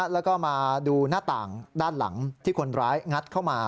แล้วก็มาดูหน้าต่างด้านหลังที่คนร้ายงัดเข้ามา